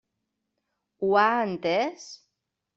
Ho ha entès?